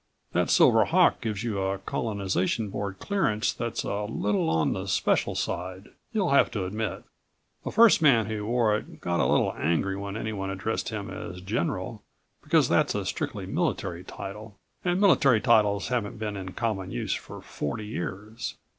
That silver hawk gives you a Colonization Board clearance that's a little on the special side ... you'll have to admit. The first man who wore it got a little angry when anyone addressed him as 'General' because that's a strictly military title, and military titles haven't been in common use for forty years.